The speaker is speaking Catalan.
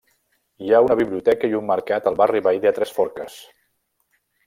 Hi ha una biblioteca i un mercat al barri veí de Tres Forques.